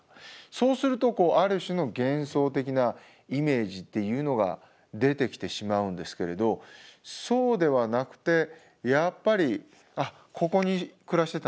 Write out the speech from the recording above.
そうするとある種の幻想的なイメージっていうのが出てきてしまうんですけれどそうではなくてやっぱり「あっここに暮らしてたんだな」と。